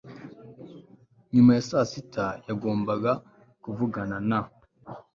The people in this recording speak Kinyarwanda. nyuma ya saa sita yagombaga kuvugana na